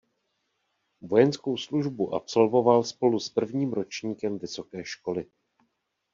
Vojenskou službu absolvoval spolu s prvním ročníkem vysoké školy.